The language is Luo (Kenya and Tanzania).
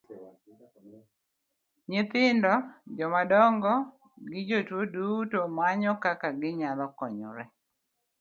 Nyithindo, joma dongo gi jotuo duto manyo kaka ginyalo konyore.